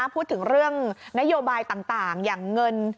พูดถึงเรื่องนโยบายต่างอย่างเงิน